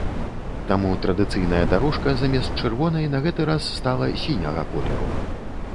Таму традыцыйная дарожка замест чырвонай на гэты раз стала сіняга колеру.